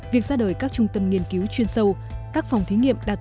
việc ra đời các trung tâm nghiên cứu chuyên sâu các phòng thí nghiệm đạt